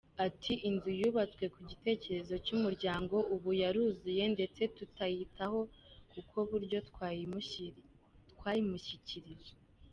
Ati “Inzu yubatswe ku gitekerezo cy’umuryango, ubu yaruzuye ndetse tutayitaha ku buryo twayimushyikirije.